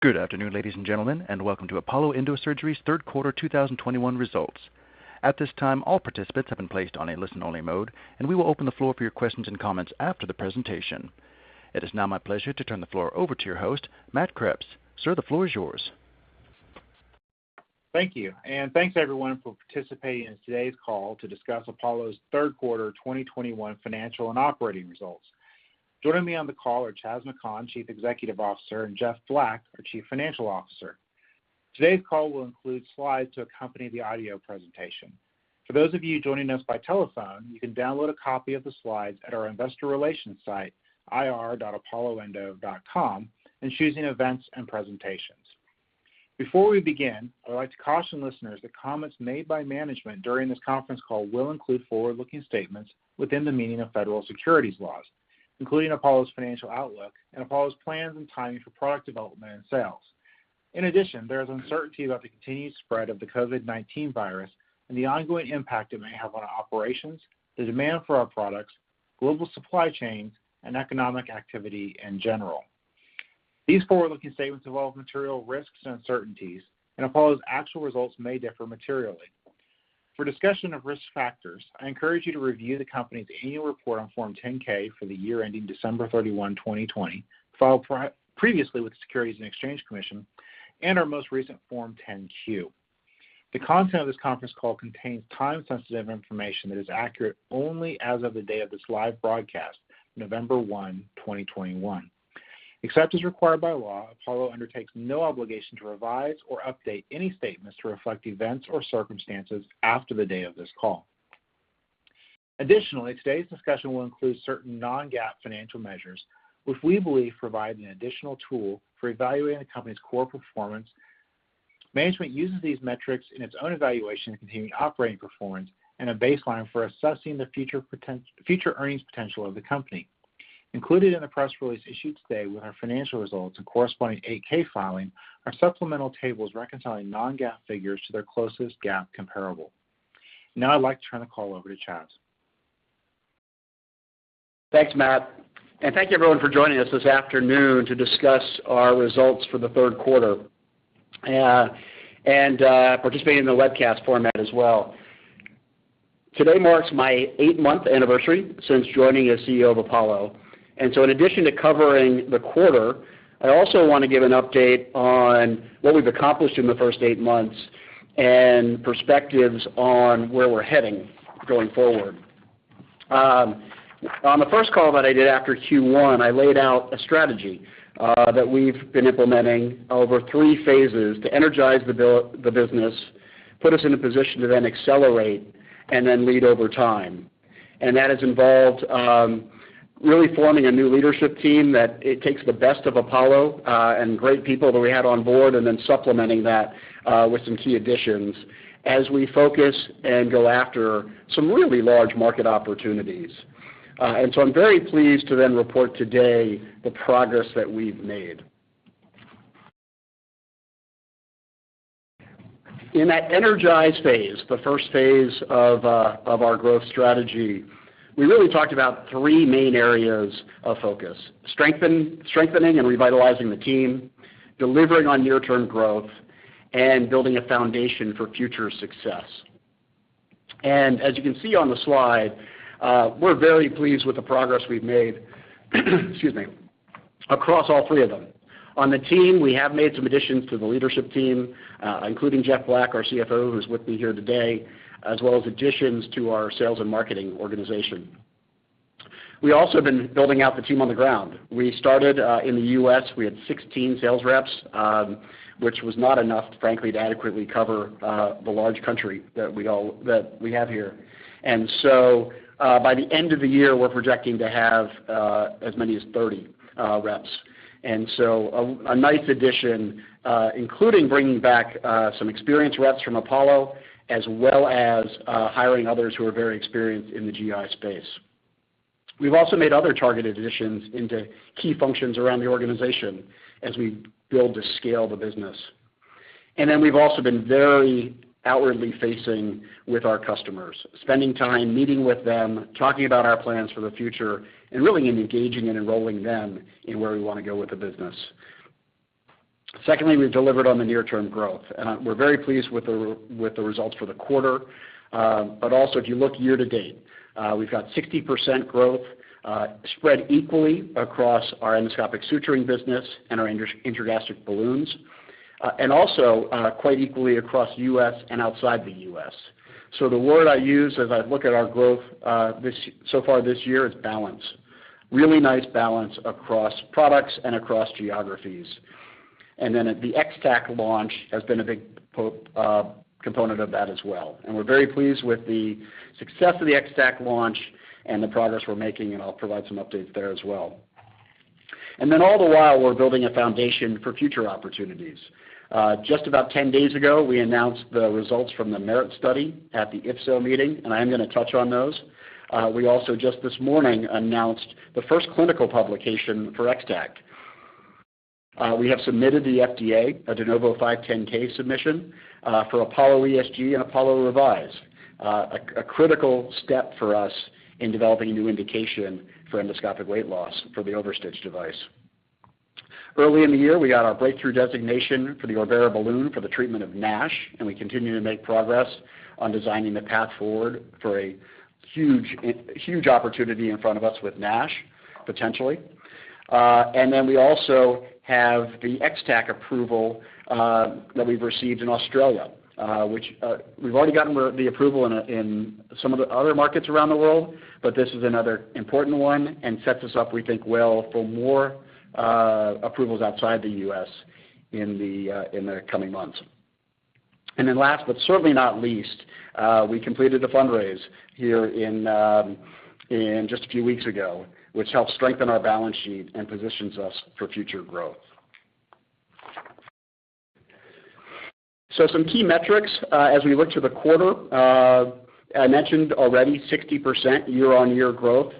Good afternoon, ladies and gentlemen, and welcome to Apollo Endosurgery's third quarter 2021 results. At this time, all participants have been placed on a listen-only mode, and we will open the floor for your questions and comments after the presentation. It is now my pleasure to turn the floor over to your host, Matt Kreps. Sir, the floor is yours. Thank you. Thanks everyone for participating in today's call to discuss Apollo's third quarter 2021 financial and operating results. Joining me on the call are Chas McKhann, Chief Executive Officer, and Jeff Black, our Chief Financial Officer. Today's call will include slides to accompany the audio presentation. For those of you joining us by telephone, you can download a copy of the slides at our investor relations site, ir.apolloendo.com, and choosing Events and Presentations. Before we begin, I would like to caution listeners that comments made by management during this conference call will include forward-looking statements within the meaning of federal securities laws, including Apollo's financial outlook and Apollo's plans and timing for product development and sales. In addition, there is uncertainty about the continued spread of the COVID-19 virus and the ongoing impact it may have on our operations, the demand for our products, global supply chains, and economic activity in general. These forward-looking statements involve material risks and uncertainties, and Apollo's actual results may differ materially. For discussion of risk factors, I encourage you to review the company's annual report on Form 10-K for the year ending December 31, 2020, filed previously with the Securities and Exchange Commission, and our most recent Form 10-Q. The content of this conference call contains time-sensitive information that is accurate only as of the day of this live broadcast, November 1, 2021. Except as required by law, Apollo undertakes no obligation to revise or update any statements to reflect events or circumstances after the day of this call. Additionally, today's discussion will include certain non-GAAP financial measures, which we believe provide an additional tool for evaluating the company's core performance. Management uses these metrics in its own evaluation of continuing operating performance and a baseline for assessing the future potential earnings potential of the company. Included in the press release issued today with our financial results and corresponding 8-K filing are supplemental tables reconciling non-GAAP figures to their closest GAAP comparable. Now I'd like to turn the call over to Chas. Thanks, Matt. Thank you everyone for joining us this afternoon to discuss our results for the third quarter, participating in the webcast format as well. Today marks my eight-month anniversary since joining as CEO of Apollo. In addition to covering the quarter, I also want to give an update on what we've accomplished in the first eight months and perspectives on where we're heading going forward. On the first call that I did after Q1, I laid out a strategy that we've been implementing over three phases to energize the business, put us in a position to then accelerate and then lead over time. That has involved really forming a new leadership team that takes the best of Apollo and great people that we had on board, and then supplementing that with some key additions as we focus and go after some really large market opportunities. I'm very pleased to report today the progress that we've made. In that energized phase, the first phase of our growth strategy, we really talked about three main areas of focus. Strengthening and revitalizing the team, delivering on near-term growth, and building a foundation for future success. As you can see on the slide, we're very pleased with the progress we've made, excuse me, across all three of them. On the team, we have made some additions to the leadership team, including Jeff Black, our CFO, who's with me here today, as well as additions to our sales and marketing organization. We also have been building out the team on the ground. We started in the U.S., we had 16 sales reps, which was not enough, frankly, to adequately cover the large country that we have here. By the end of the year, we're projecting to have as many as 30 reps. A nice addition, including bringing back some experienced reps from Apollo, as well as hiring others who are very experienced in the GI space. We've also made other targeted additions into key functions around the organization as we build to scale the business. We've also been very outwardly facing with our customers, spending time, meeting with them, talking about our plans for the future, and really engaging and enrolling them in where we want to go with the business. Secondly, we've delivered on the near-term growth, and we're very pleased with the results for the quarter. But also if you look year to date, we've got 60% growth, spread equally across our endoscopic suturing business and our intragastric balloons, and also quite equally across U.S. and outside the U.S. The word I use as I look at our growth, so far this year is balance. Really nice balance across products and across geographies. The X-Tack launch has been a big component of that as well. We're very pleased with the success of the X-Tack launch and the progress we're making, and I'll provide some updates there as well. All the while, we're building a foundation for future opportunities. Just about 10 days ago, we announced the results from the MERIT study at the IFSO meeting, and I am going to touch on those. We also just this morning announced the first clinical publication for X-Tack. We have submitted to the FDA a de novo 510(k) submission for Apollo ESG and Apollo Revise, a critical step for us in developing a new indication for endoscopic weight loss for the OverStitch device. Early in the year, we got our breakthrough designation for the Orbera balloon for the treatment of NASH, and we continue to make progress on designing the path forward for a huge opportunity in front of us with NASH, potentially. We also have the X-Tack approval that we've received in Australia, which we've already gotten the approval in some of the other markets around the world, but this is another important one and sets us up, we think, well for more approvals outside the U.S. in the coming months. We completed the fundraise here in just a few weeks ago, which helps strengthen our balance sheet and positions us for future growth. Some key metrics, as we look to the quarter. I mentioned already 60% year-on-year growth.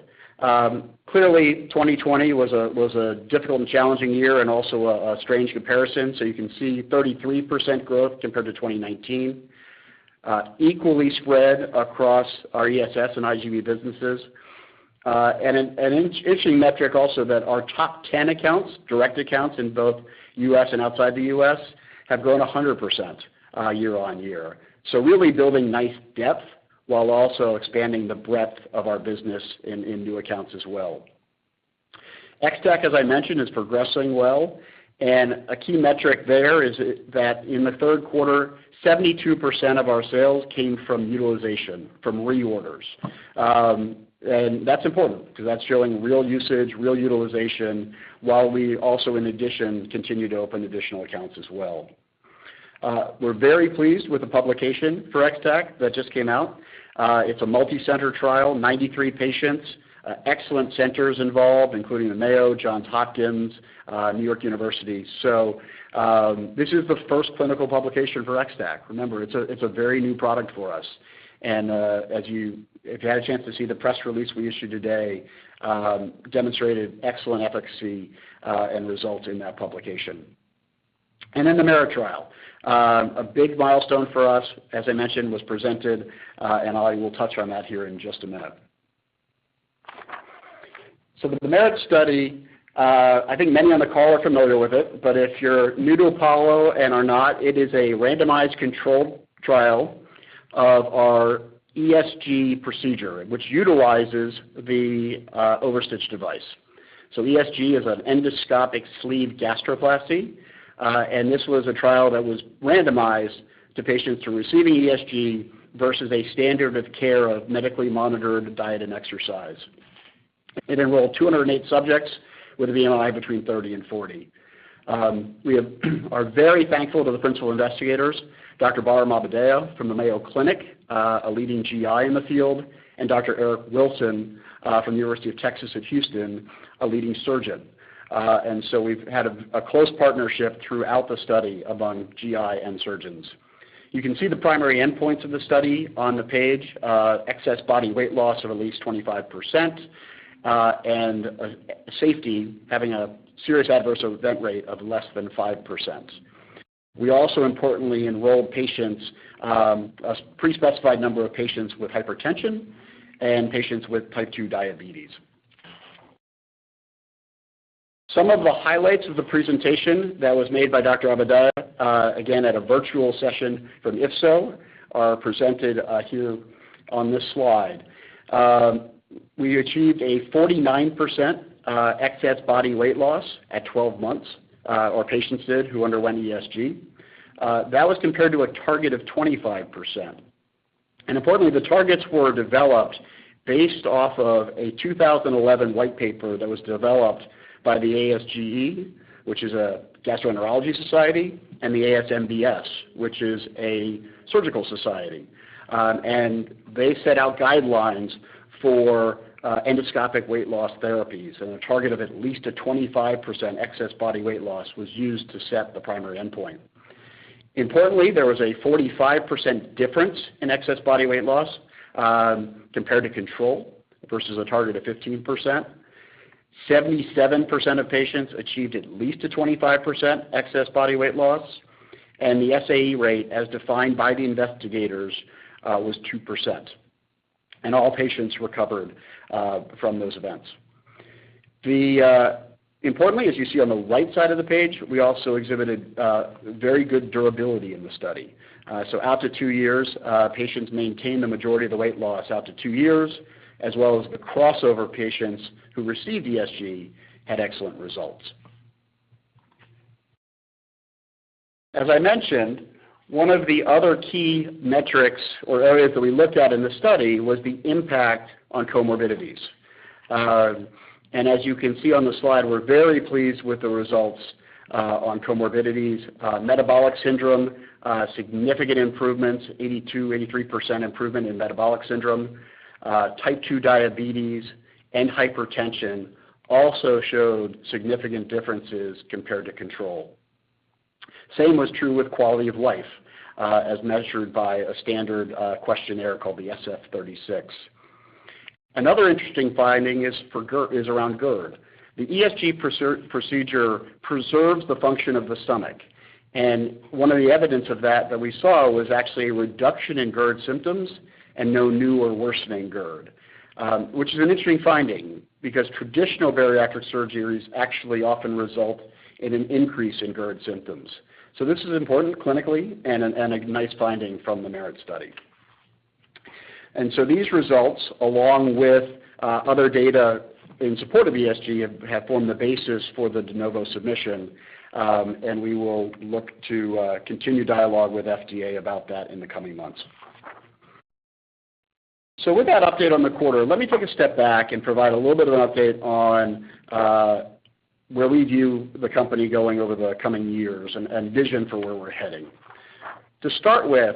Clearly, 2020 was a difficult and challenging year and also a strange comparison. You can see 33% growth compared to 2019, equally spread across our ESS and IGB businesses. And an interesting metric also that our top 10 accounts, direct accounts in both U.S. and outside the U.S., have grown 100%, year-on-year. Really building nice depth while also expanding the breadth of our business in new accounts as well. X-Tack, as I mentioned, is progressing well, and a key metric there is that in the third quarter, 72% of our sales came from utilization, from reorders. And that's important because that's showing real usage, real utilization, while we also, in addition, continue to open additional accounts as well. We're very pleased with the publication for X-Tack that just came out. It's a multicenter trial, 93 patients, excellent centers involved, including the Mayo, Johns Hopkins, New York University. This is the first clinical publication for X-Tack. Remember, it's a very new product for us, and if you had a chance to see the press release we issued today, demonstrated excellent efficacy and results in that publication. And then the MERIT trial. A big milestone for us, as I mentioned, was presented, and I will touch on that here in just a minute. The MERIT study, I think many on the call are familiar with it, but if you're new to Apollo and are not, it is a randomized controlled trial of our ESG procedure, which utilizes the OverStitch device. ESG is an endoscopic sleeve gastroplasty, and this was a trial that was randomized to patients who are receiving ESG versus a standard of care of medically monitored diet and exercise. It enrolled 208 subjects with a BMI between 30 and 40. We are very thankful to the principal investigators, Dr. Barham Abu Dayyeh from the Mayo Clinic, a leading GI in the field, and Dr. Erik B. Wilson from the University of Texas at Houston, a leading surgeon. We've had a close partnership throughout the study among GI and surgeons. You can see the primary endpoints of the study on the page, excess body weight loss of at least 25%, and safety having a serious adverse event rate of less than 5%. We also importantly enrolled patients, a pre-specified number of patients with hypertension and patients with type 2 diabetes. Some of the highlights of the presentation that was made by Dr. Barham Abu Dayyeh, again, at a virtual session from IFSO are presented here on this slide. We achieved a 49% excess body weight loss at 12 months, our patients did who underwent ESG. That was compared to a target of 25%. Importantly, the targets were developed based off of a 2011 white paper that was developed by the ASGE, which is a gastroenterology society, and the ASMBS, which is a surgical society. They set out guidelines for endoscopic weight loss therapies, and a target of at least a 25% excess body weight loss was used to set the primary endpoint. Importantly, there was a 45% difference in excess body weight loss compared to control versus a target of 15%. 77% of patients achieved at least a 25% excess body weight loss, and the SAE rate, as defined by the investigators, was 2%, and all patients recovered from those events. Importantly, as you see on the right side of the page, we also exhibited very good durability in the study. Out to two years, patients maintained the majority of the weight loss out to two years, as well as the crossover patients who received ESG had excellent results. As I mentioned, one of the other key metrics or areas that we looked at in this study was the impact on comorbidities. As you can see on the slide, we're very pleased with the results on comorbidities, metabolic syndrome, significant improvements, 82%-83% improvement in metabolic syndrome. Type two diabetes and hypertension also showed significant differences compared to control. Same was true with quality of life, as measured by a standard questionnaire called the SF-36. Another interesting finding is around GERD. The ESG procedure preserves the function of the stomach. One of the evidence of that we saw was actually a reduction in GERD symptoms and no new or worsening GERD, which is an interesting finding because traditional bariatric surgeries actually often result in an increase in GERD symptoms. This is important clinically and a nice finding from the MERIT study. These results, along with other data in support of ESG, have formed the basis for the de novo submission. We will look to continue dialogue with FDA about that in the coming months. With that update on the quarter, let me take a step back and provide a little bit of an update on where we view the company going over the coming years and vision for where we're heading. To start with,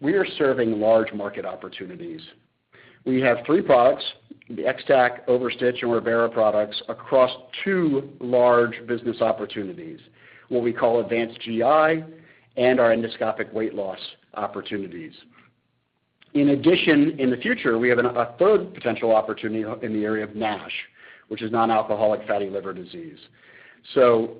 we are serving large market opportunities. We have three products, the X-Tack, OverStitch, and Orbera products, across two large business opportunities, what we call advanced GI and our endoscopic weight loss opportunities. In addition, in the future, we have a third potential opportunity in the area of NASH, which is nonalcoholic fatty liver disease. So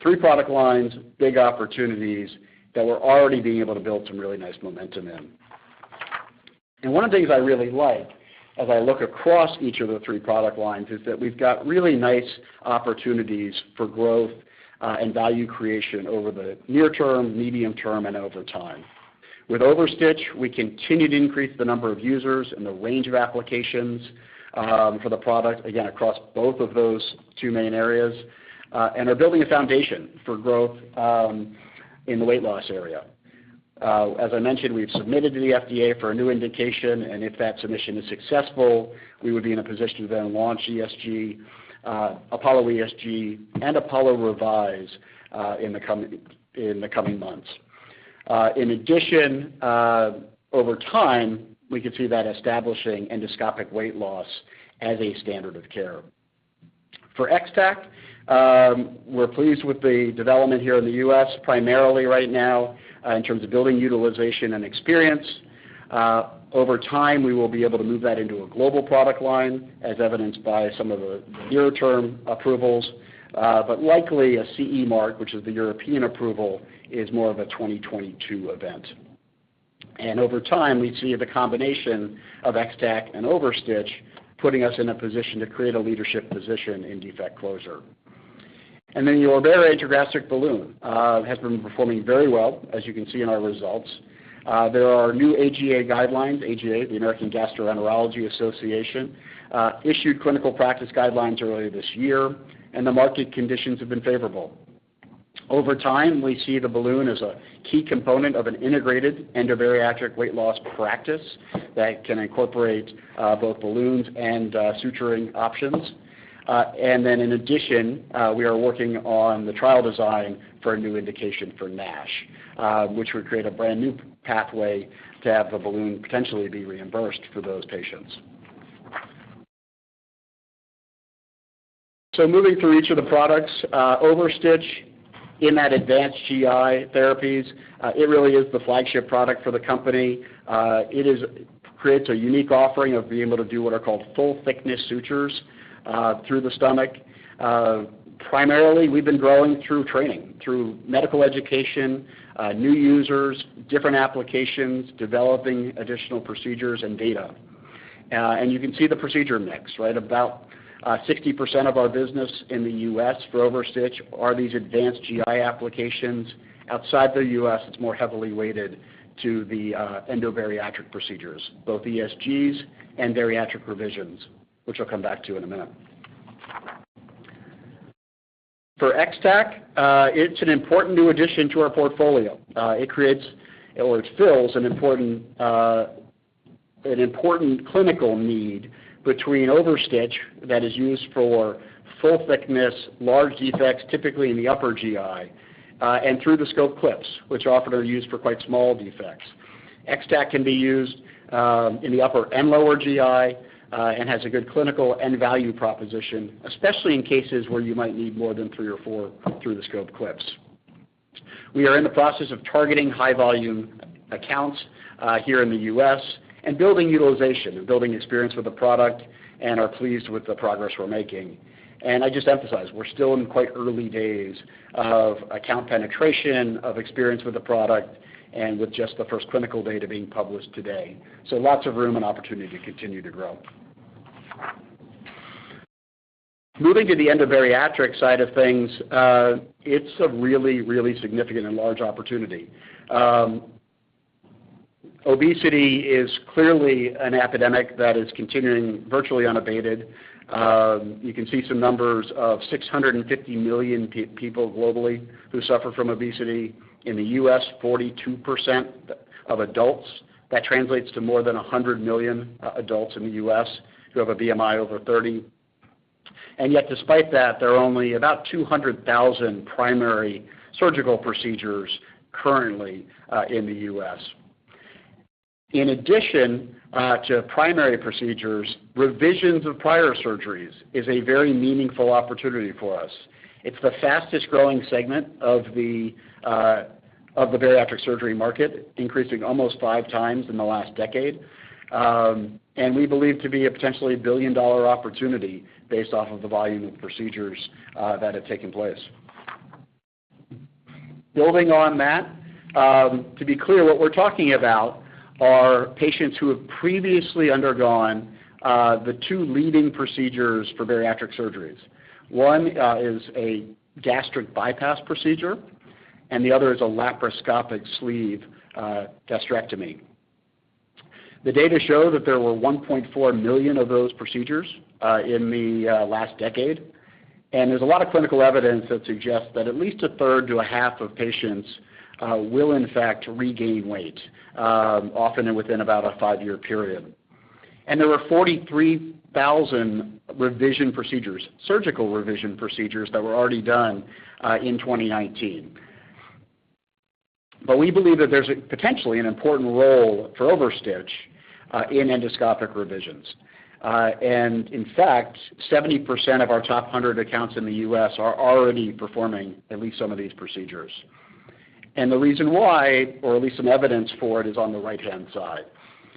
three product lines, big opportunities that we're already being able to build some really nice momentum in. One of the things I really like as I look across each of the three product lines is that we've got really nice opportunities for growth and value creation over the near term, medium term, and over time. With OverStitch, we continue to increase the number of users and the range of applications, for the product, again, across both of those two main areas, and are building a foundation for growth, in the weight loss area. As I mentioned, we've submitted to the FDA for a new indication, and if that submission is successful, we would be in a position to then launch ESG, Apollo ESG, and Apollo Revise, in the coming months. In addition, over time, we could see that establishing endoscopic weight loss as a standard of care. For X-Tack, we're pleased with the development here in the U.S. primarily right now, in terms of building utilization and experience. Over time, we will be able to move that into a global product line as evidenced by some of the near-term approvals. Likely a CE mark, which is the European approval, is more of a 2022 event. Over time, we'd see the combination of X-Tack and OverStitch putting us in a position to create a leadership position in defect closure. Then the Orbera intragastric balloon has been performing very well, as you can see in our results. There are new AGA guidelines. AGA, the American Gastroenterological Association, issued clinical practice guidelines earlier this year, and the market conditions have been favorable. Over time, we see the balloon as a key component of an integrated endobariatric weight loss practice that can incorporate both balloons and suturing options. In addition, we are working on the trial design for a new indication for NASH, which would create a brand-new pathway to have the balloon potentially be reimbursed for those patients. Moving through each of the products, OverStitch in that advanced GI therapies, it really is the flagship product for the company. It creates a unique offering of being able to do what are called full thickness sutures through the stomach. Primarily, we've been growing through training, through medical education, new users, different applications, developing additional procedures and data. And you can see the procedure mix, right? About 60% of our business in the U.S. for OverStitch are these advanced GI applications. Outside the U.S., it's more heavily weighted to the endobariatric procedures, both ESGs and bariatric revisions, which I'll come back to in a minute. For X-Tack, it's an important new addition to our portfolio. It creates or it fills an important clinical need between OverStitch that is used for full thickness, large defects, typically in the upper GI, and through-the-scope clips, which often are used for quite small defects. X-Tack can be used in the upper and lower GI and has a good clinical and value proposition, especially in cases where you might need more than three or four through-the-scope clips. We are in the process of targeting high volume accounts here in the U.S. and building utilization and building experience with the product and are pleased with the progress we're making. I just emphasize, we're still in quite early days of account penetration, of experience with the product, and with just the first clinical data being published today. Lots of room and opportunity to continue to grow. Moving to the endobariatric side of things, it's a really significant and large opportunity. Obesity is clearly an epidemic that is continuing virtually unabated. You can see some numbers of 650 million people globally who suffer from obesity. In the U.S., 42% of adults. That translates to more than 100 million adults in the U.S. who have a BMI over 30. Yet despite that, there are only about 200,000 primary surgical procedures currently in the U.S. In addition to primary procedures, revisions of prior surgeries is a very meaningful opportunity for us. It's the fastest growing segment of the bariatric surgery market increasing almost 5x in the last decade. We believe to be a potentially a billion-dollar opportunity based off of the volume of procedures that have taken place. Building on that, to be clear, what we're talking about are patients who have previously undergone the two leading procedures for bariatric surgeries. One is a gastric bypass procedure, and the other is a laparoscopic sleeve gastrectomy. The data show that there were 1.4 million of those procedures in the last decade. There's a lot of clinical evidence that suggests that at least a third to a half of patients will in fact regain weight, often and within about a 5-year period. There were 43,000 revision procedures, surgical revision procedures that were already done in 2019. We believe that there's potentially an important role for OverStitch in endoscopic revisions. In fact, 70% of our top 100 accounts in the U.S. are already performing at least some of these procedures. The reason why, or at least some evidence for it, is on the right-hand side.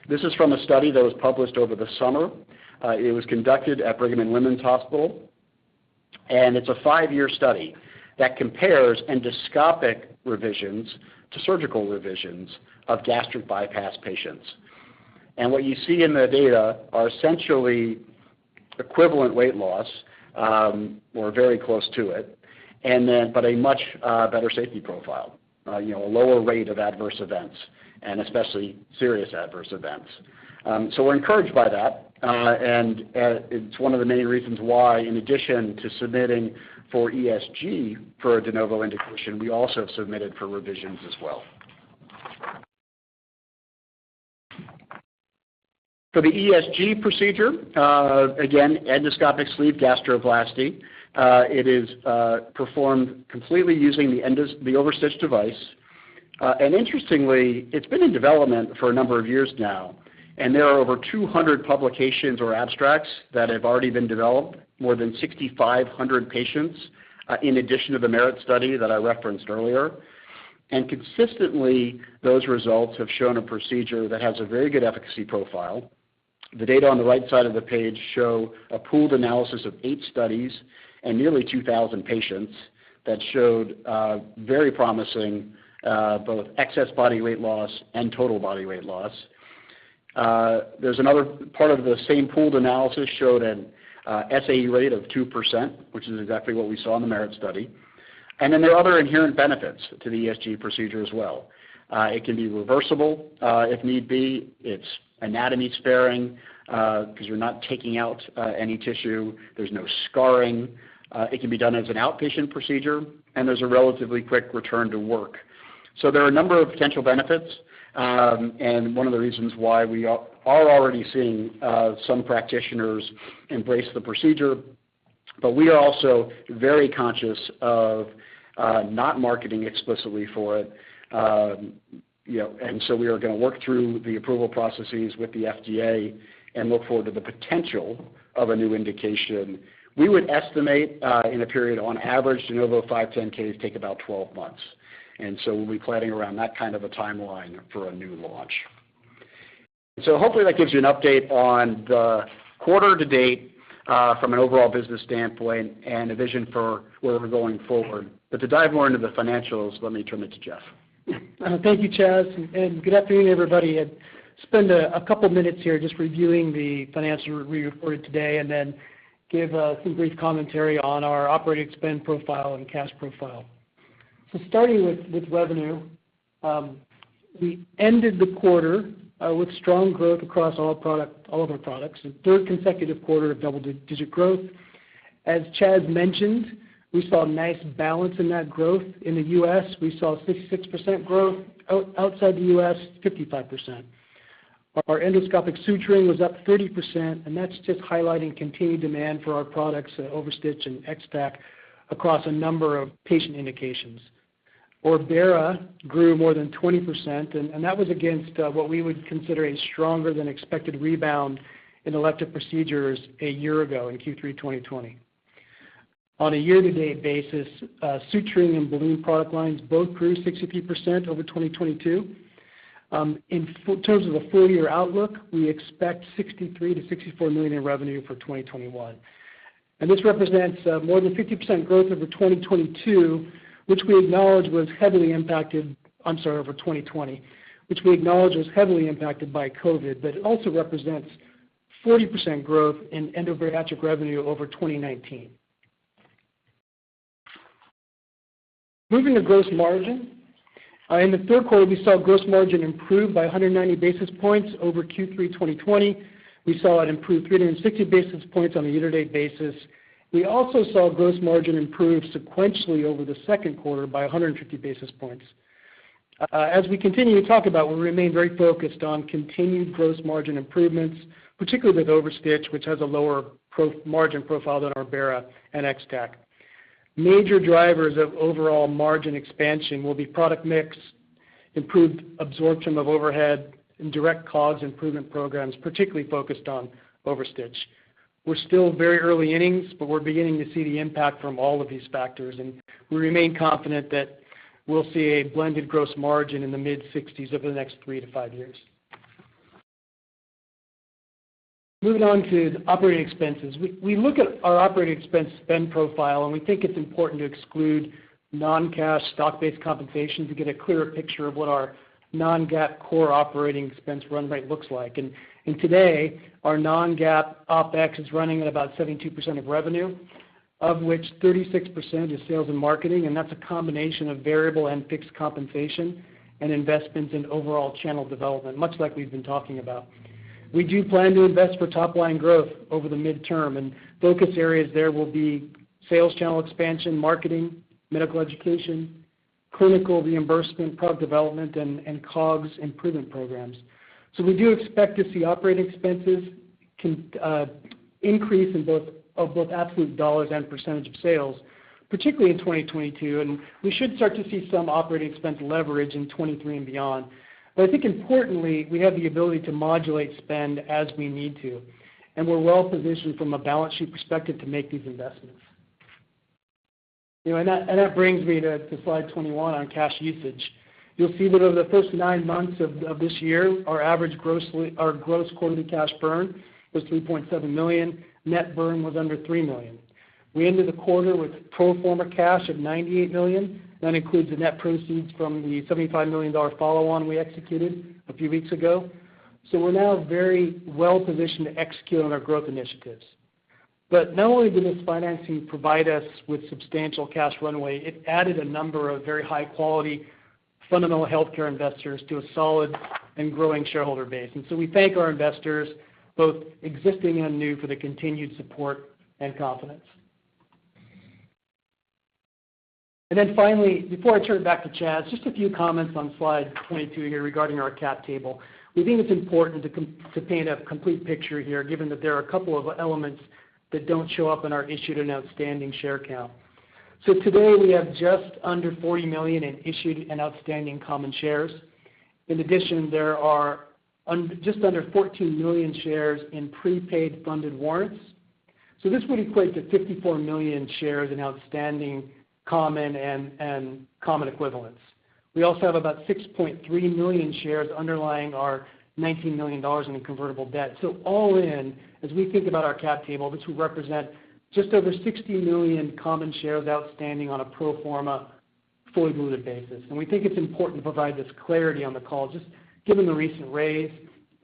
This is from a study that was published over the summer. It was conducted at Brigham and Women's Hospital. It's a 5-year study that compares endoscopic revisions to surgical revisions of gastric bypass patients. What you see in the data are essentially equivalent weight loss, or very close to it, and then but a much better safety profile, you know, a lower rate of adverse events, and especially serious adverse events. We're encouraged by that. It's one of the many reasons why, in addition to submitting for ESG for a de novo indication, we also have submitted for Revise as well. For the ESG procedure, again, endoscopic sleeve gastroplasty, it is performed completely using the OverStitch device. Interestingly, it's been in development for a number of years now, and there are over 200 publications or abstracts that have already been developed, more than 6,500 patients, in addition to the MERIT study that I referenced earlier. Consistently, those results have shown a procedure that has a very good efficacy profile. The data on the right side of the page show a pooled analysis of eight studies and nearly 2,000 patients that showed very promising both excess body weight loss and total body weight loss. There's another part of the same pooled analysis showed an SAE rate of 2%, which is exactly what we saw in the MERIT study. Then there are other inherent benefits to the ESG procedure as well. It can be reversible, if need be. It's anatomy sparing, because you're not taking out any tissue. There's no scarring. It can be done as an outpatient procedure, and there's a relatively quick return to work. There are a number of potential benefits, and one of the reasons why we are already seeing some practitioners embrace the procedure. We are also very conscious of not marketing explicitly for it. You know, we are gonna work through the approval processes with the FDA and look forward to the potential of a new indication. We would estimate, in a period on average, de novo 510(k) take about 12 months. We'll be planning around that kind of a timeline for a new launch. Hopefully that gives you an update on the quarter to date, from an overall business standpoint and a vision for where we're going forward. To dive more into the financials, let me turn it to Jeff. Thank you, Chas, and good afternoon, everybody. I'll spend a couple minutes here just reviewing the financials we reported today and then give some brief commentary on our operating spend profile and cash profile. Starting with revenue, we ended the quarter with strong growth across all of our products, the third consecutive quarter of double-digit growth. As Chas mentioned, we saw a nice balance in that growth. In the U.S., we saw 66% growth. Outside the U.S., 55%. Our endoscopic suturing was up 30%, and that's just highlighting continued demand for our products, OverStitch and X-Tack, across a number of patient indications. Orbera grew more than 20%, and that was against what we would consider a stronger than expected rebound in elective procedures a year ago in Q3 2020. On a year-to-date basis, suturing and balloon product lines both grew 62% over 2020. In terms of the full-year outlook, we expect $63 million-$64 million in revenue for 2021. This represents more than 50% growth over 2020, which we acknowledge was heavily impacted by COVID, but it also represents 40% growth in endobariatric revenue over 2019. Moving to gross margin. In the third quarter, we saw gross margin improve by 190 basis points over Q3 2020. We saw it improve 360 basis points on a year-to-date basis. We also saw gross margin improve sequentially over the second quarter by 150 basis points. As we continue to talk about, we remain very focused on continued gross margin improvements, particularly with OverStitch, which has a lower profit margin profile than Orbera and X-Tack. Major drivers of overall margin expansion will be product mix, improved absorption of overhead and direct COGS improvement programs, particularly focused on OverStitch. We're still very early innings, but we're beginning to see the impact from all of these factors, and we remain confident that we'll see a blended gross margin in the mid-60s% over the next three to five years. Moving on to operating expenses. We look at our operating expense spend profile, and we think it's important to exclude non-cash stock-based compensation to get a clearer picture of what our non-GAAP core operating expense run rate looks like. Today, our non-GAAP OpEx is running at about 72% of revenue, of which 36% is sales and marketing, and that's a combination of variable and fixed compensation and investments in overall channel development, much like we've been talking about. We do plan to invest for top line growth over the midterm, and focus areas there will be sales channel expansion, marketing, medical education, clinical reimbursement, product development and COGS improvement programs. We do expect to see operating expenses increase in both absolute dollars and percentage of sales, particularly in 2022, and we should start to see some operating expense leverage in 2023 and beyond. I think importantly, we have the ability to modulate spend as we need to, and we're well-positioned from a balance sheet perspective to make these investments. You know, that brings me to slide 21 on cash usage. You'll see that over the first nine months of this year, our gross quarterly cash burn was $3.7 million. Net burn was under $3 million. We ended the quarter with pro forma cash of $98 million. That includes the net proceeds from the $75 million follow-on we executed a few weeks ago. We're now very well-positioned to execute on our growth initiatives. Not only did this financing provide us with substantial cash runway, it added a number of very high-quality fundamental healthcare investors to a solid and growing shareholder base. We thank our investors, both existing and new, for the continued support and confidence. Then finally, before I turn it back to Chas, just a few comments on slide 22 here regarding our cap table. We think it's important to paint a complete picture here, given that there are a couple of elements that don't show up in our issued and outstanding share count. Today, we have just under 40 million in issued and outstanding common shares. In addition, there are just under 14 million shares in prepaid funded warrants. This would equate to 54 million shares in outstanding common and common equivalents. We also have about 6.3 million shares underlying our $19 million in convertible debt. All in, as we think about our cap table, this would represent just over 60 million common shares outstanding on a pro forma fully diluted basis. We think it's important to provide this clarity on the call, just given the recent raise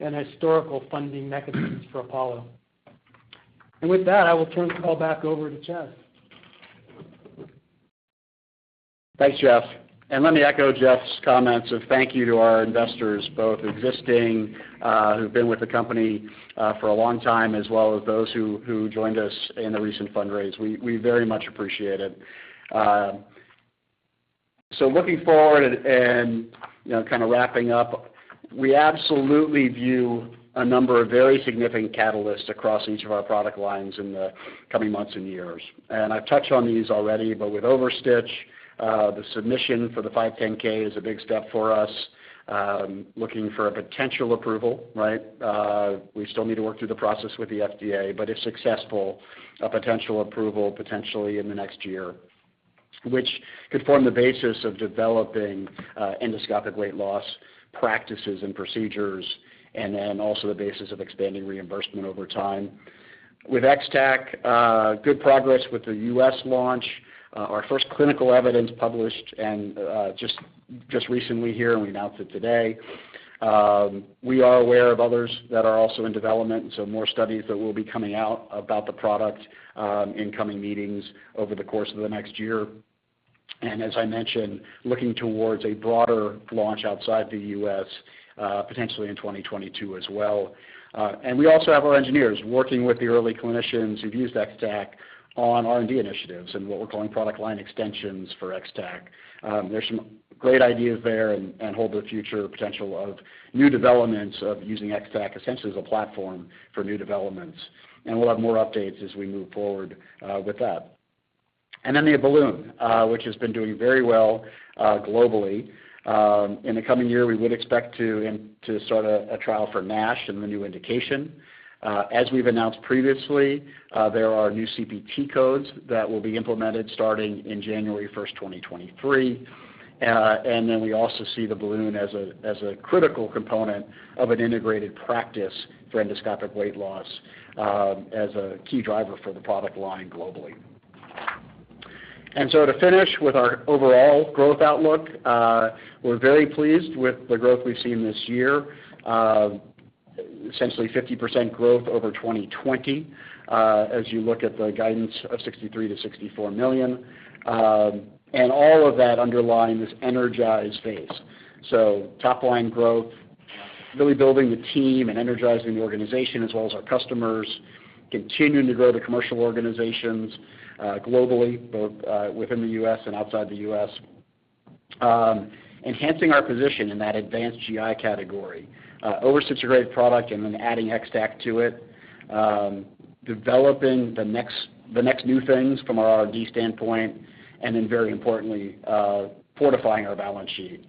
and historical funding mechanisms for Apollo. With that, I will turn the call back over to Chas. Thanks, Jeff. Let me echo Jeff's comments of thank you to our investors, both existing, who've been with the company, for a long time, as well as those who joined us in the recent fundraise. We very much appreciate it. Looking forward and, you know, kind of wrapping up, we absolutely view a number of very significant catalysts across each of our product lines in the coming months and years. I've touched on these already, but with OverStitch, the submission for the 510(k) is a big step for us, looking for a potential approval, right? We still need to work through the process with the FDA, but if successful, a potential approval potentially in the next year, which could form the basis of developing endoscopic weight loss practices and procedures and then also the basis of expanding reimbursement over time. With X-Tack, good progress with the U.S. launch, our first clinical evidence published and just recently here, and we announced it today. We are aware of others that are also in development, so more studies that will be coming out about the product in coming meetings over the course of the next year. As I mentioned, looking towards a broader launch outside the U.S., potentially in 2022 as well. We also have our engineers working with the early clinicians who've used X-Tack on R&D initiatives and what we're calling product line extensions for X-Tack. There's some great ideas there and hold the future potential of new developments of using X-Tack essentially as a platform for new developments. We'll have more updates as we move forward with that. Then the balloon, which has been doing very well, globally. In the coming year, we would expect to start a trial for NASH in the new indication. As we've announced previously, there are new CPT codes that will be implemented starting in January 1, 2023. We also see the balloon as a critical component of an integrated practice for endoscopic weight loss, as a key driver for the product line globally. To finish with our overall growth outlook, we're very pleased with the growth we've seen this year. Essentially 50% growth over 2020, as you look at the guidance of $63 million-$64 million, and all of that underlying this energized phase. Top line growth, really building the team and energizing the organization as well as our customers, continuing to grow the commercial organizations globally, both within the U.S. and outside the U.S. Enhancing our position in that advanced GI category, OverStitch, a great product, and then adding X-Tack to it, developing the next new things from our R&D standpoint, and then very importantly, fortifying our balance sheet.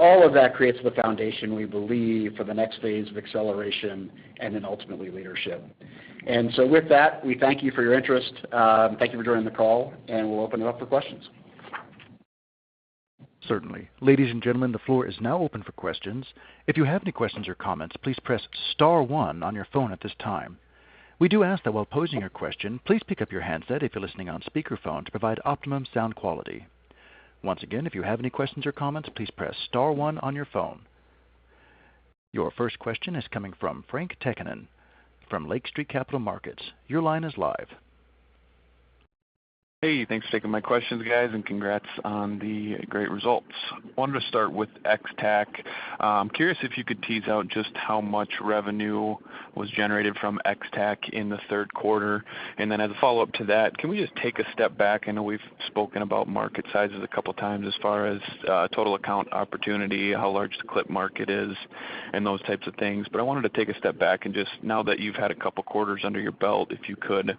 All of that creates the foundation, we believe, for the next phase of acceleration and then ultimately leadership. With that, we thank you for your interest. Thank you for joining the call, and we'll open it up for questions. Certainly. Ladies and gentlemen, the floor is now open for questions. If you have any questions or comments, please press star one on your phone at this time. We do ask that while posing your question, please pick up your handset if you're listening on speaker phone to provide optimum sound quality. Once again, if you have any questions or comments, please press star one on your phone. Your first question is coming from Frank Takkinen from Lake Street Capital Markets. Your line is live. Hey, thanks for taking my questions guys, and congrats on the great results. I wanted to start with X-Tack. Curious if you could tease out just how much revenue was generated from X-Tack in the third quarter. As a follow-up to that, can we just take a step back? I know we've spoken about market sizes a couple times as far as total account opportunity, how large the clip market is, and those types of things. I wanted to take a step back and just, now that you've had a couple quarters under your belt, if you could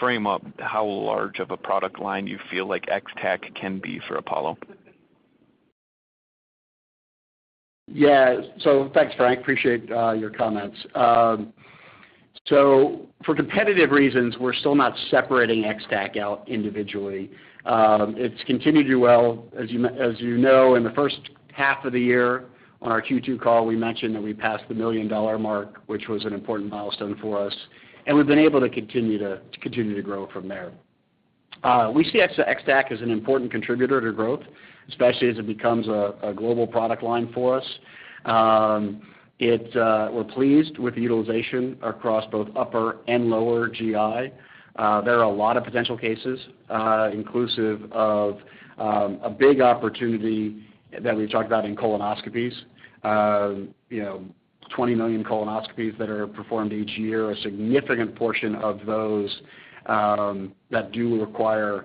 frame up how large of a product line you feel like X-Tack can be for Apollo. Yeah. Thanks, Frank. Appreciate your comments. For competitive reasons, we're still not separating X-Tack out individually. It's continued to do well. As you know, in the first half of the year on our Q2 call, we mentioned that we passed the $1 million mark, which was an important milestone for us, and we've been able to continue to grow from there. We see X-Tack as an important contributor to growth, especially as it becomes a global product line for us. We're pleased with the utilization across both upper and lower GI. There are a lot of potential cases, inclusive of a big opportunity that we talked about in colonoscopies. You know, 20 million colonoscopies that are performed each year. A significant portion of those that do require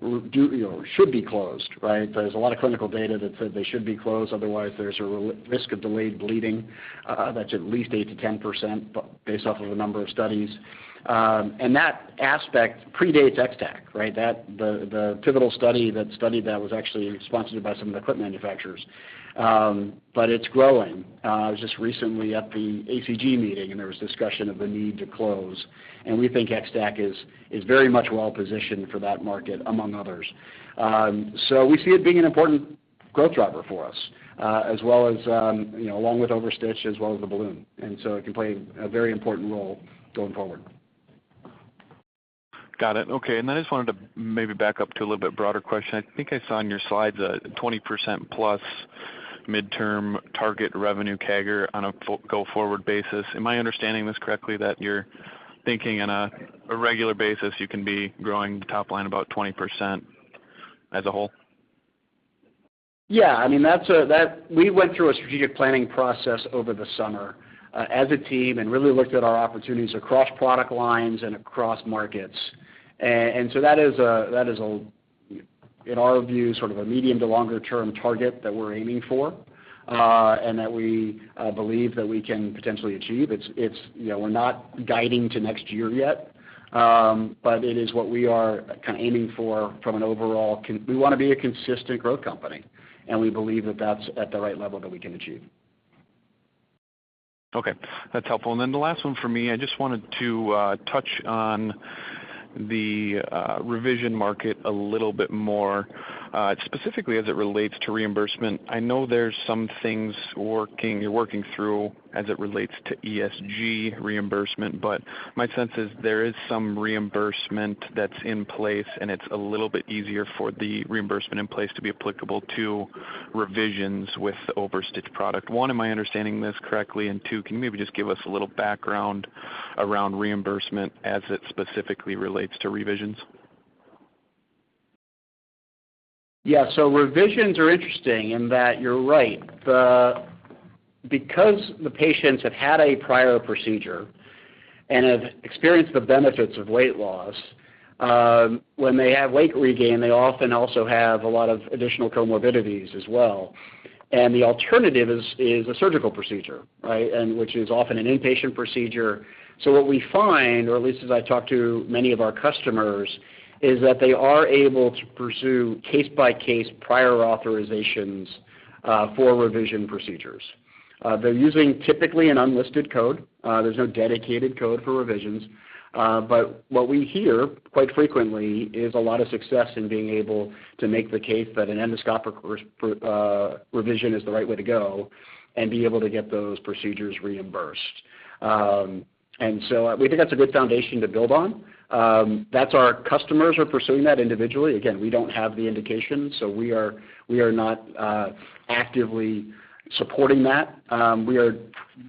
you know should be closed, right? There's a lot of clinical data that said they should be closed, otherwise there's a risk of delayed bleeding that's at least 8%-10% based off of a number of studies. That aspect predates X-Tack, right? That the pivotal study that studied that was actually sponsored by some of the clip manufacturers. It's growing. I was just recently at the ACG meeting, and there was discussion of the need to close. We think X-Tack is very much well positioned for that market, among others. We see it being an important growth driver for us as well as you know along with OverStitch as well as the balloon. It can play a very important role going forward. Got it. Okay. I just wanted to maybe back up to a little bit broader question. I think I saw on your slides a 20%+ midterm target revenue CAGR on a go-forward basis. Am I understanding this correctly, that you're thinking on a regular basis, you can be growing the top line about 20% as a whole? Yeah. I mean, that we went through a strategic planning process over the summer as a team and really looked at our opportunities across product lines and across markets. So that is a, in our view, sort of a medium to longer term target that we're aiming for and that we believe that we can potentially achieve. It's, you know, we're not guiding to next year yet, but it is what we are kinda aiming for. We wanna be a consistent growth company, and we believe that that's at the right level that we can achieve. Okay. That's helpful. The last one for me, I just wanted to touch on the revision market a little bit more, specifically as it relates to reimbursement. I know there's some things you're working through as it relates to ESG reimbursement, but my sense is there is some reimbursement that's in place, and it's a little bit easier for the reimbursement in place to be applicable to revisions with the OverStitch product. One, am I understanding this correctly? Two, can you maybe just give us a little background around reimbursement as it specifically relates to revisions? Yeah. Revisions are interesting in that you're right. Because the patients have had a prior procedure and have experienced the benefits of weight loss, when they have weight regain, they often also have a lot of additional comorbidities as well. The alternative is a surgical procedure, right? Which is often an inpatient procedure. What we find, or at least as I talk to many of our customers, is that they are able to pursue case-by-case prior authorizations for revision procedures. They're using typically an unlisted code. There's no dedicated code for revisions. What we hear quite frequently is a lot of success in being able to make the case that an endoscopic revision is the right way to go and be able to get those procedures reimbursed. We think that's a good foundation to build on. That our customers are pursuing that individually. Again, we don't have the indication, so we are not actively supporting that. We are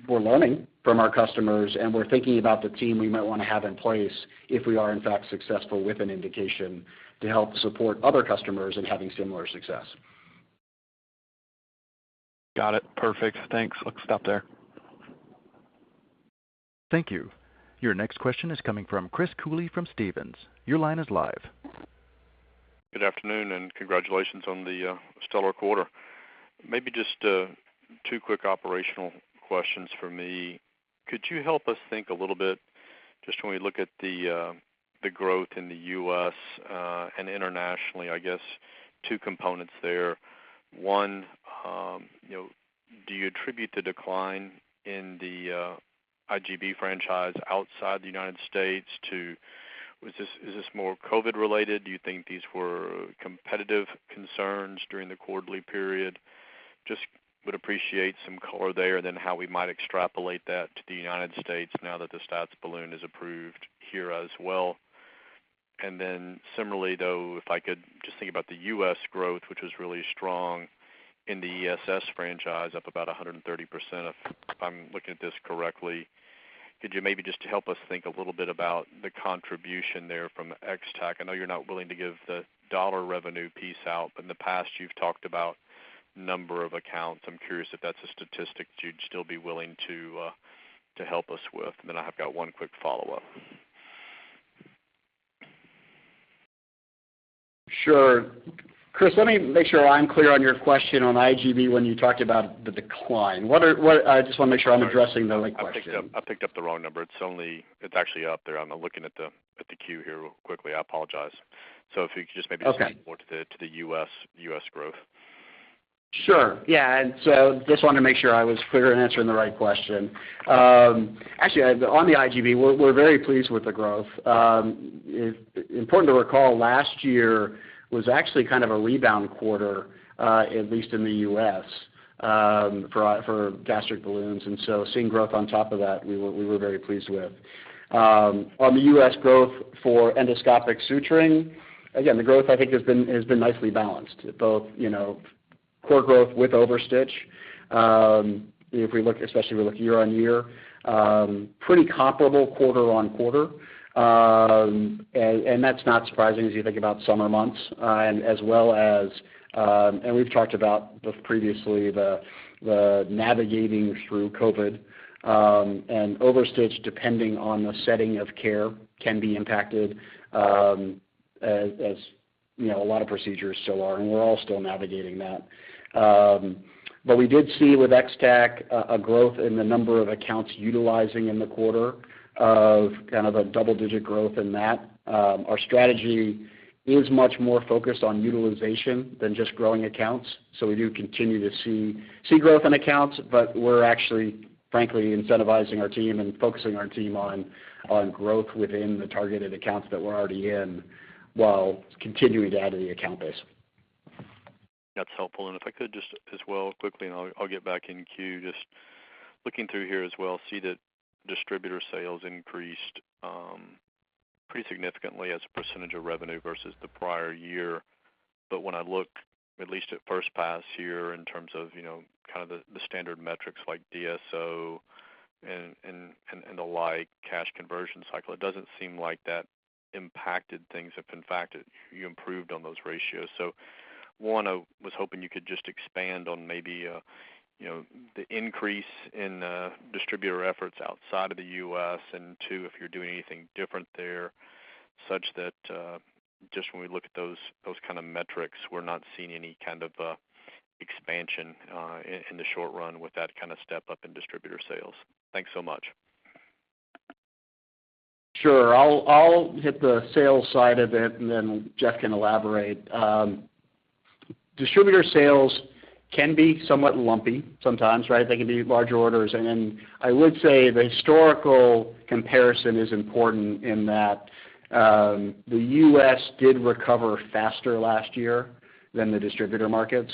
learning from our customers, and we're thinking about the team we might wanna have in place if we are in fact successful with an indication to help support other customers in having similar success. Got it. Perfect. Thanks. Let's stop there. Thank you. Your next question is coming from Chris Cooley from Stephens. Your line is live. Good afternoon, and congratulations on the stellar quarter. Maybe just two quick operational questions from me. Could you help us think a little bit just when we look at the growth in the U.S. and internationally. I guess two components there. One, you know, do you attribute the decline in the IGB franchise outside the United States to? Is this more COVID related? Do you think these were competitive concerns during the quarterly period? I would just appreciate some color there, and then how we might extrapolate that to the United States now that the Spatz balloon is approved here as well. Similarly, though, if I could just think about the U.S. growth, which was really strong in the ESS franchise, up about 100%, if I'm looking at this correctly. Could you maybe just help us think a little bit about the contribution there from X-Tack? I know you're not willing to give the dollar revenue piece out, but in the past you've talked about number of accounts. I'm curious if that's a statistic you'd still be willing to help us with. I have got one quick follow-up. Sure. Chris, let me make sure I'm clear on your question on IGB when you talked about the decline. What, I just wanna make sure I'm addressing the right question. I picked up the wrong number. It's actually up there. I'm looking at the queue here real quickly. I apologize. If you could just maybe- Okay. Speak more to the U.S. growth. Sure. Yeah. Just wanted to make sure I was clear in answering the right question. Actually, on the IGB, we're very pleased with the growth. Important to recall, last year was actually kind of a rebound quarter, at least in the U.S., for gastric balloons. Seeing growth on top of that, we were very pleased with. On the U.S. growth for endoscopic suturing, again, the growth I think has been nicely balanced. Both, you know, core growth with OverStitch. If we look, especially year-over-year, pretty comparable quarter-over-quarter. That's not surprising as you think about summer months, and as well as. We've talked about both previously, the navigating through COVID and OverStitch, depending on the setting of care, can be impacted, as you know, a lot of procedures still are, and we're all still navigating that. We did see with X-Tack a growth in the number of accounts utilizing in the quarter of kind of a double-digit growth in that. Our strategy is much more focused on utilization than just growing accounts. We do continue to see growth in accounts, but we're actually, frankly, incentivizing our team and focusing our team on growth within the targeted accounts that we're already in while continuing to add to the account base. That's helpful. If I could just as well quickly, and I'll get back in queue. Just looking through here as well, I see that distributor sales increased pretty significantly as a percentage of revenue versus the prior year. When I look at least at first pass here in terms of, you know, kind of the standard metrics like DSO and the like, cash conversion cycle, it doesn't seem like that impacted things. If in fact, it you improved on those ratios. One, I was hoping you could just expand on maybe, you know, the increase in distributor efforts outside of the U.S. and two, if you're doing anything different there such that just when we look at those kind of metrics, we're not seeing any kind of expansion in the short run with that kind of step up in distributor sales. Thanks so much. Sure. I'll hit the sales side of it and then Jeff can elaborate. Distributor sales can be somewhat lumpy sometimes, right? They can be large orders. I would say the historical comparison is important in that, the U.S. did recover faster last year than the distributor markets.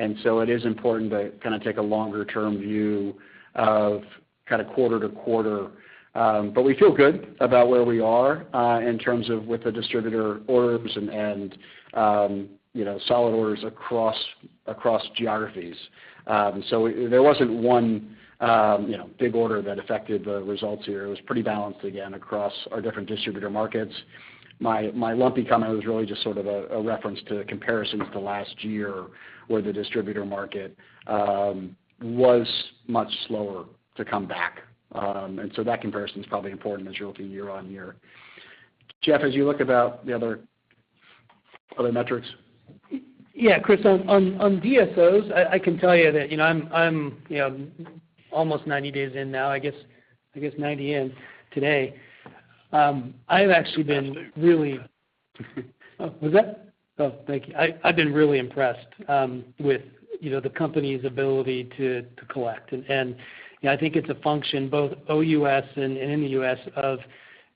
It is important to kind of take a longer-term view of kind of quarter to quarter. But we feel good about where we are, in terms of with the distributor orders and, you know, solid orders across geographies. So there wasn't one, you know, big order that affected the results here. It was pretty balanced again across our different distributor markets. My lumpy comment was really just sort of a reference to comparisons to last year where the distributor market was much slower to come back. That comparison is probably important as you look at year-on-year. Jeff, as you look at the other metrics. Yeah, Chris, on DSOs, I can tell you that, you know, I'm, you know, almost 90 days in now. I guess 90 in today. I've actually been really impressed with, you know, the company's ability to collect. You know, I think it's a function both OUS and in the U.S. of,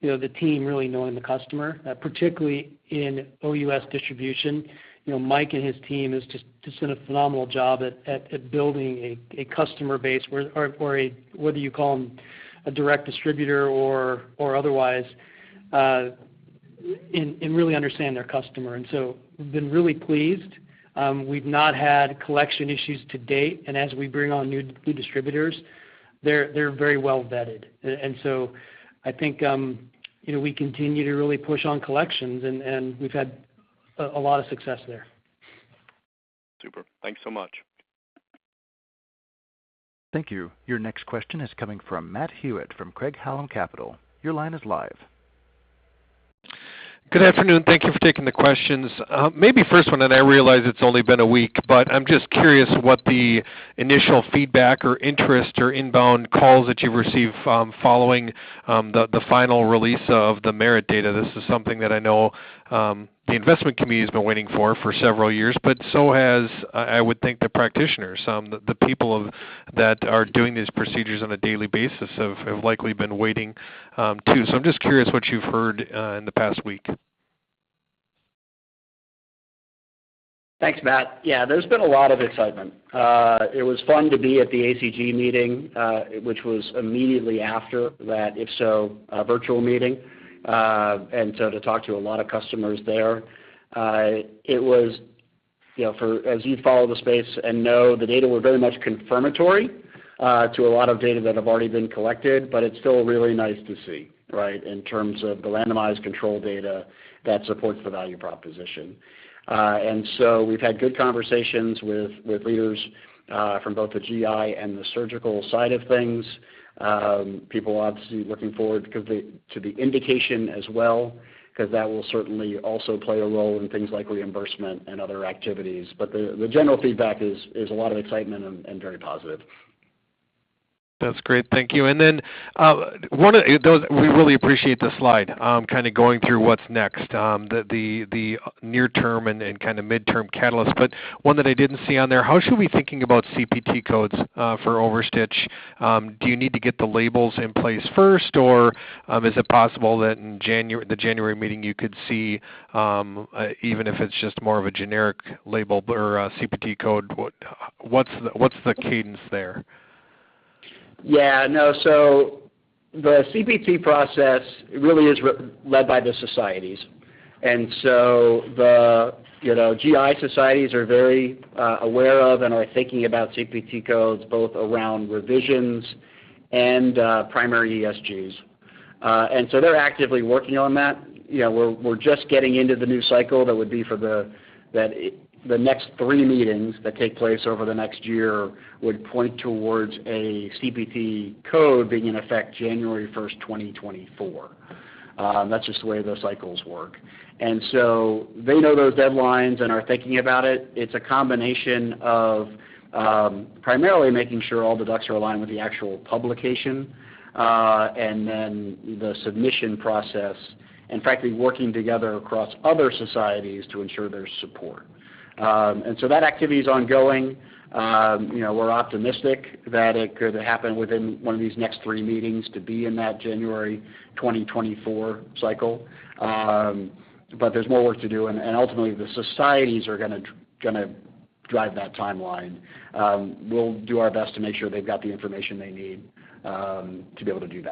you know, the team really knowing the customer, particularly in OUS distribution. You know, Mike and his team has just done a phenomenal job at building a customer base, whether you call them a direct distributor or otherwise, and really understand their customer. We've been really pleased. We've not had collection issues to date. As we bring on new distributors, they're very well vetted. I think, you know, we continue to really push on collections, and we've had a lot of success there. Super. Thanks so much. Thank you. Your next question is coming from Matt Hewitt from Craig-Hallum Capital. Your line is live. Good afternoon. Thank you for taking the questions. Maybe first one, and I realize it's only been a week, but I'm just curious what the initial feedback or interest or inbound calls that you've received, following the final release of the MERIT data. This is something that I know the investment committee has been waiting for several years, but so has I would think the practitioners, the people that are doing these procedures on a daily basis have likely been waiting, too. I'm just curious what you've heard in the past week. Thanks, Matt. Yeah, there's been a lot of excitement. It was fun to be at the ACG meeting, which was immediately after that IFSO virtual meeting, to talk to a lot of customers there. It was, you know, as you follow the space and know the data were very much confirmatory to a lot of data that have already been collected, but it's still really nice to see, right? In terms of the randomized control data that supports the value proposition. We've had good conversations with leaders from both the GI and the surgical side of things. People obviously looking forward to the indication as well, because that will certainly also play a role in things like reimbursement and other activities. The general feedback is a lot of excitement and very positive. That's great. Thank you. Then we really appreciate the slide kind of going through what's next, the near term and kind of midterm catalyst. One that I didn't see on there, how should we be thinking about CPT codes for OverStitch? Do you need to get the labels in place first, or is it possible that in the January meeting you could see even if it's just more of a generic label or a CPT code? What's the cadence there? Yeah, no. The CPT process really is led by the societies. You know, GI societies are very aware of and are thinking about CPT codes, both around revisions and primary ESGs. They're actively working on that. You know, we're just getting into the new cycle. That would be for the next three meetings that take place over the next year would point towards a CPT code being in effect January 1, 2024. That's just the way those cycles work. They know those deadlines and are thinking about it. It's a combination of primarily making sure all the ducks are aligned with the actual publication, and then the submission process, and frankly, working together across other societies to ensure there's support. That activity is ongoing. You know, we're optimistic that it could happen within one of these next three meetings to be in that January 2024 cycle. There's more work to do, and ultimately the societies are gonna drive that timeline. We'll do our best to make sure they've got the information they need to be able to do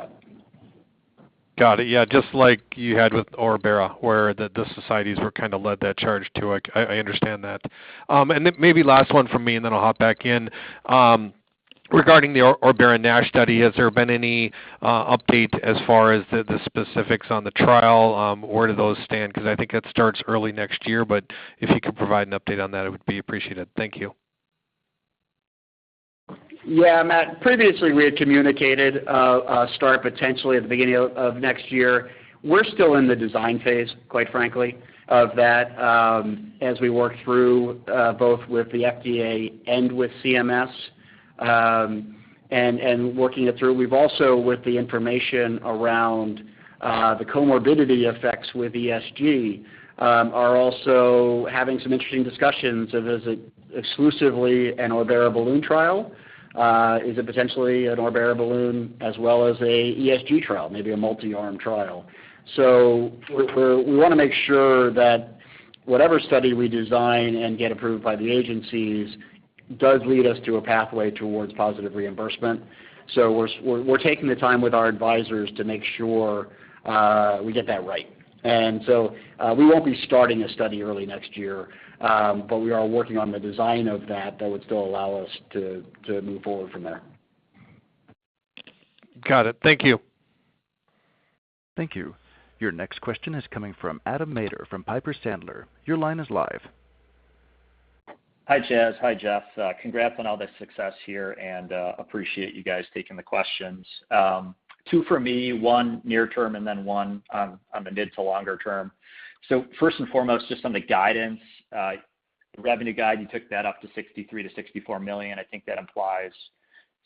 that. Got it. Yeah, just like you had with Orbera, where the societies were kind of led that charge, too. I understand that. Maybe last one from me, and then I'll hop back in. Regarding the Orbera NASH study, has there been any update as far as the specifics on the trial? Where do those stand? Because I think it starts early next year, but if you could provide an update on that, it would be appreciated. Thank you. Yeah, Matt, previously we had communicated a start potentially at the beginning of next year. We're still in the design phase, quite frankly, of that, as we work through both with the FDA and with CMS, and working it through. We've also, with the information around the comorbidity effects with ESG, are also having some interesting discussions of is it exclusively an Orbera balloon trial? Is it potentially an Orbera balloon as well as a ESG trial, maybe a multi-arm trial? We're taking the time with our advisors to make sure we get that right. We won't be starting a study early next year, but we are working on the design of that. That would still allow us to move forward from there. Got it. Thank you. Thank you. Your next question is coming from Adam Maeder from Piper Sandler. Your line is live. Hi, Chas. Hi, Jeff. Congrats on all this success here, and appreciate you guys taking the questions. Two for me, one near term and then one on the mid to longer term. First and foremost, just on the guidance, revenue guide, you took that up to $63 million-$64 million. I think that implies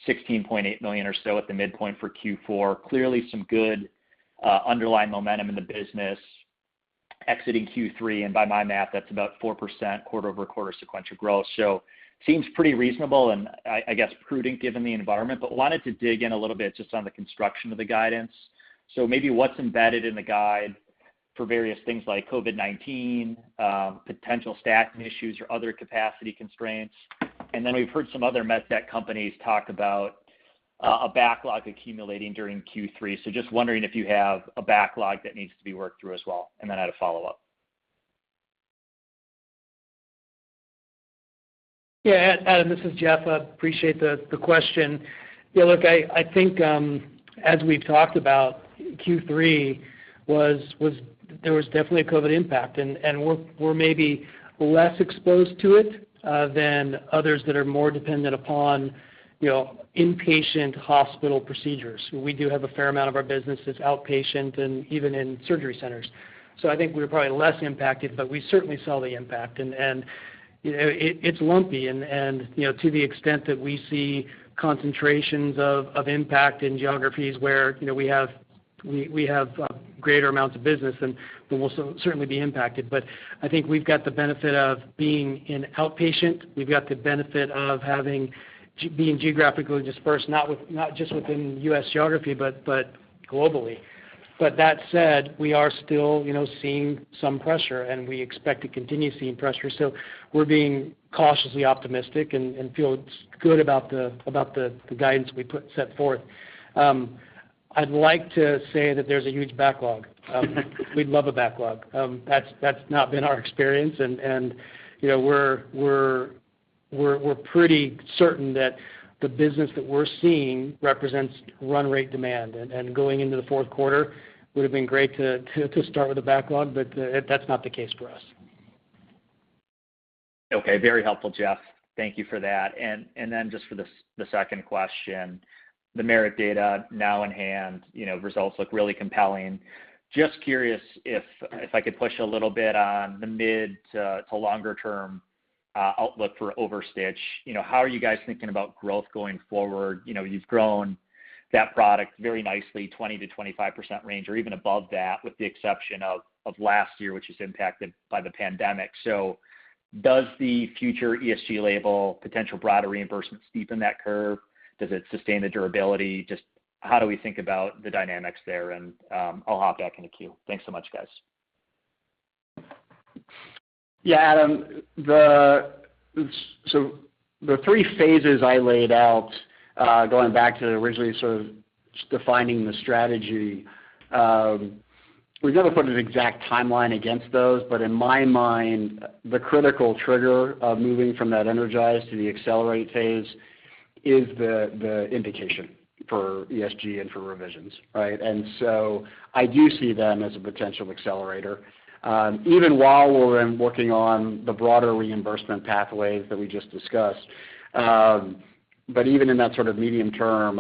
$16.8 million or so at the midpoint for Q4. Clearly some good underlying momentum in the business exiting Q3. And by my math, that's about 4% quarter-over-quarter sequential growth. Seems pretty reasonable and I guess prudent given the environment, but wanted to dig in a little bit just on the construction of the guidance. Maybe what's embedded in the guide for various things like COVID-19, potential staffing issues or other capacity constraints. We've heard some other med tech companies talk about a backlog accumulating during Q3. Just wondering if you have a backlog that needs to be worked through as well. I had a follow-up. Yeah. Adam, this is Jeff. I appreciate the question. Yeah, look, I think as we've talked about, Q3 was. There was definitely a COVID impact. We're maybe less exposed to it than others that are more dependent upon, you know, inpatient hospital procedures. We do have a fair amount of our business is outpatient and even in surgery centers. I think we're probably less impacted, but we certainly saw the impact. You know, it's lumpy and, you know, to the extent that we see concentrations of impact in geographies where, you know, we have greater amounts of business, then we'll certainly be impacted. I think we've got the benefit of being in outpatient. We've got the benefit of being geographically dispersed, not just within U.S. geography, but globally. That said, we are still seeing some pressure, and we expect to continue seeing pressure. We're being cautiously optimistic and feel good about the guidance we set forth. I'd like to say that there's a huge backlog. We'd love a backlog. That's not been our experience. We're pretty certain that the business that we're seeing represents run rate demand. Going into the fourth quarter would have been great to start with a backlog, but that's not the case for us. Okay. Very helpful, Jeff. Thank you for that. Just for the second question, the MERIT data now in hand, you know, results look really compelling. Just curious if I could push a little bit on the mid- to longer-term outlook for OverStitch. You know, how are you guys thinking about growth going forward? You know, you've grown that product very nicely, 20%-25% range or even above that, with the exception of last year, which is impacted by the pandemic. Does the future ESG label potential broader reimbursement steepen that curve? Does it sustain the durability? Just how do we think about the dynamics there? I'll hop back in the queue. Thanks so much, guys. Yeah, Adam. The three phases I laid out, going back to originally sort of defining the strategy, we've never put an exact timeline against those, but in my mind, the critical trigger of moving from that energize to the accelerate phase is the indication for ESG and for revisions, right? I do see them as a potential accelerator, even while we're working on the broader reimbursement pathways that we just discussed. But even in that sort of medium term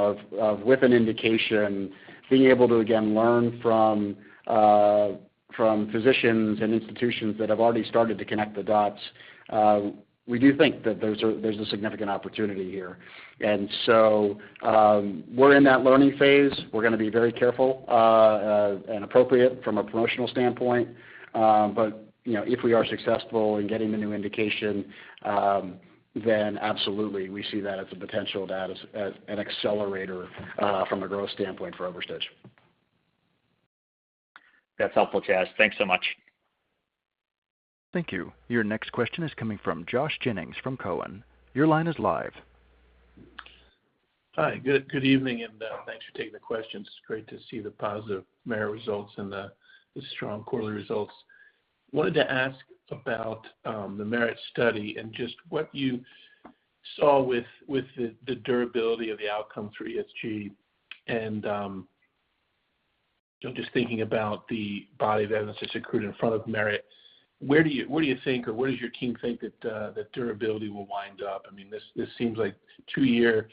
with an indication, being able to again learn from physicians and institutions that have already started to connect the dots, we do think that there's a significant opportunity here. We're in that learning phase. We're gonna be very careful and appropriate from a promotional standpoint. You know, if we are successful in getting the new indication, then absolutely, we see that as a potential to add as an accelerator from a growth standpoint for OverStitch. That's helpful, Chas. Thanks so much. Thank you. Your next question is coming from Josh Jennings from Cowen. Your line is live. Hi. Good evening, and thanks for taking the questions. It's great to see the positive MERIT results and the strong quarterly results. I wanted to ask about the MERIT study and just what you saw with the durability of the outcome for ESG. You know, just thinking about the body of evidence that's accrued in front of MERIT, where do you think, or where does your team think that the durability will wind up? I mean, this seems like two-year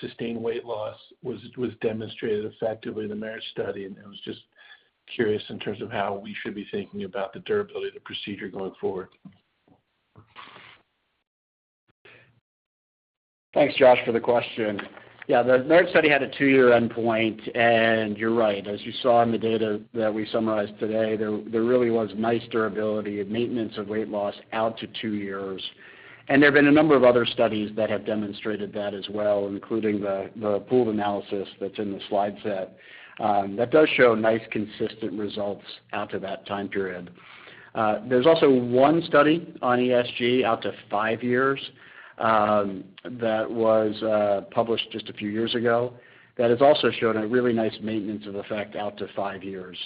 sustained weight loss was demonstrated effectively in the MERIT study, and I was just curious in terms of how we should be thinking about the durability of the procedure going forward. Thanks, Josh, for the question. Yeah, the MERIT study had a two-year endpoint, and you're right. As you saw in the data that we summarized today, there really was nice durability and maintenance of weight loss out to two years. There have been a number of other studies that have demonstrated that as well, including the pooled analysis that's in the slide set. That does show nice consistent results out to that time period. There's also one study on ESG out to five years that was published just a few years ago that has also shown a really nice maintenance of effect out to five years.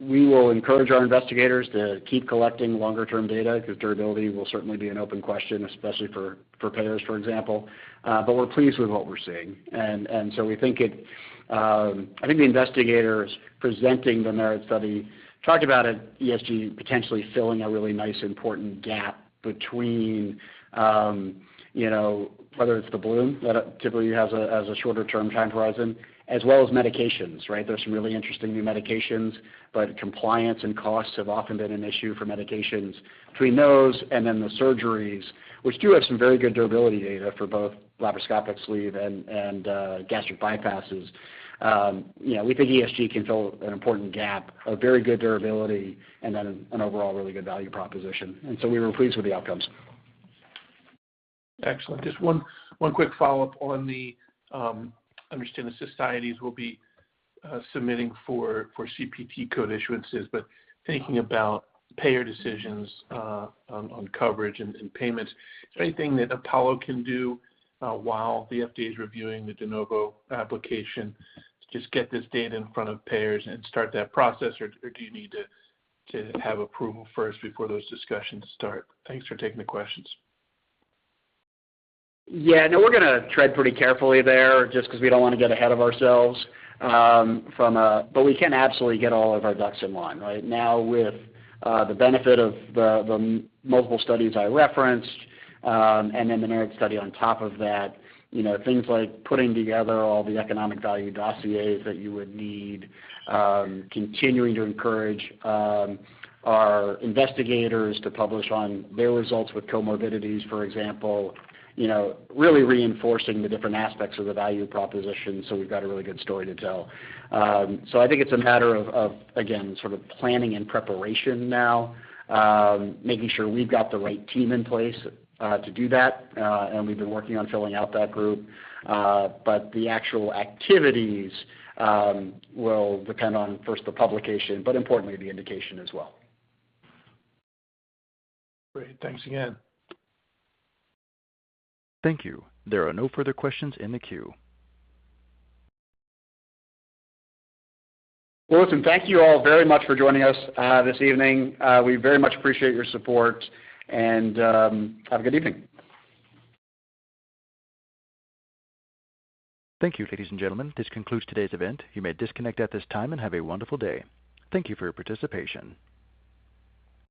We will encourage our investigators to keep collecting longer term data because durability will certainly be an open question, especially for payers, for example. We're pleased with what we're seeing. I think the investigators presenting the MERIT study talked about ESG potentially filling a really nice, important gap between, you know, whether it's the balloon that typically has a shorter term time horizon, as well as medications, right? There's some really interesting new medications, but compliance and costs have often been an issue for medications. Between those and then the surgeries, which do have some very good durability data for both laparoscopic sleeve and gastric bypasses. You know, we think ESG can fill an important gap of very good durability and then an overall really good value proposition. We were pleased with the outcomes. Excellent. Just one quick follow-up on the. I understand the societies will be submitting for CPT code issuances, but thinking about payer decisions on coverage and payments, is there anything that Apollo can do while the FDA is reviewing the de novo application to just get this data in front of payers and start that process, or do you need to have approval first before those discussions start? Thanks for taking the questions. Yeah. No, we're gonna tread pretty carefully there just 'cause we don't wanna get ahead of ourselves. We can absolutely get all of our ducks in line, right? Now with the benefit of the multiple studies I referenced, and then the MERIT study on top of that, you know, things like putting together all the economic value dossiers that you would need, continuing to encourage our investigators to publish on their results with comorbidities, for example. You know, really reinforcing the different aspects of the value proposition so we've got a really good story to tell. I think it's a matter of, again, sort of planning and preparation now, making sure we've got the right team in place to do that, and we've been working on filling out that group. The actual activities will depend on first the publication, but importantly, the indication as well. Great. Thanks again. Thank you. There are no further questions in the queue. Listen, thank you all very much for joining us this evening. We very much appreciate your support, and have a good evening. Thank you, ladies and gentlemen. This concludes today's event. You may disconnect at this time, and have a wonderful day. Thank you for your participation.